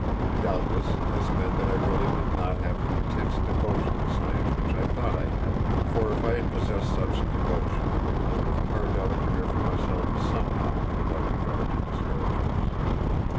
Doubtless this meant that I really did not have the intense devotion to science which I thought I had; for, if I had possessed such devotion, I would have carved out a career for myself somehow without regard to discouragements.